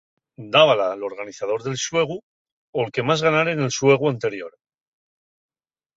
Dábala l'organizador del xuegu o'l que más ganare nel xuegu anterior.